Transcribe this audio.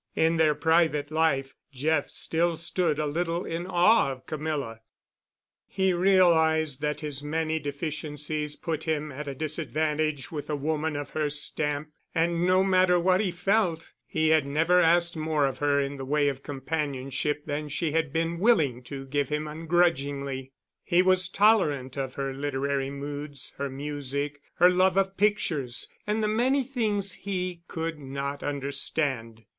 In their private life Jeff still stood a little in awe of Camilla. He realized that his many deficiencies put him at a disadvantage with a woman of her stamp, and, no matter what he felt, he had never asked more of her in the way of companionship than she had been willing to give him ungrudgingly; he was tolerant of her literary moods, her music, her love of pictures, and the many things he could not understand.